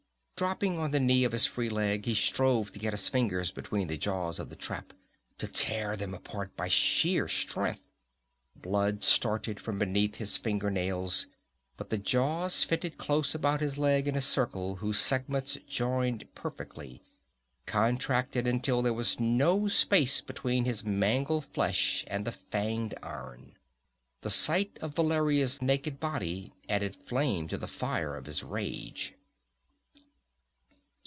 Dropping on the knee of his free leg, he strove to get his fingers between the jaws of the trap, to tear them apart by sheer strength. Blood started from beneath his finger nails, but the jaws fitted close about his leg in a circle whose segments jointed perfectly, contracted until there was no space between his mangled flesh and the fanged iron. The sight of Valeria's naked body added flame to the fire of his rage.